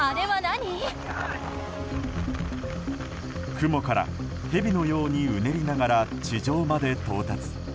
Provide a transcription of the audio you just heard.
雲から蛇のようにうねりながら地上まで到達。